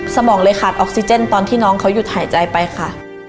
สมองเลยขาดออกซิเจนตอนที่น้องเขาหยุดหายใจไปค่ะ